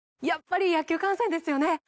やっぱり野球観戦ですよね